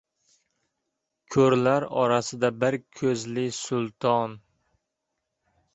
• Ko‘rlar orasida bir ko‘zli — sulton.